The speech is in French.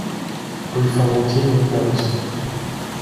Rue Faventines, Valence